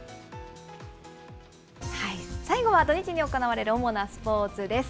最後は土日に行われる主なスポーツです。